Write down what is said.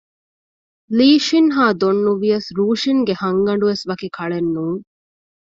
ލީ ޝިން ހާ ދޮން ނުވިޔަސް ރޫޝިންގެ ހަންގަ ނޑުވެސް ވަކި ކަޅެއް ނޫން